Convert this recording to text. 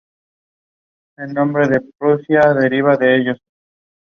Theni has newly entered into the bottom five.